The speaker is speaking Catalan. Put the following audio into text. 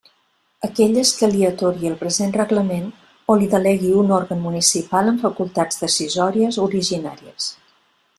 Aquelles que li atorgui el present reglament o li delegui un òrgan municipal amb facultats decisòries originàries.